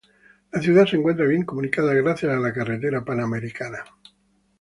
La ciudad se encuentra bien comunicada gracias a la carretera Panamericana.